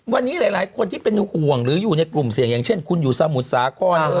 วันนี้หลายคนที่เป็นห่วงหรืออยู่ในกลุ่มเสี่ยงอย่างเช่นคุณอยู่สมุทรสาคร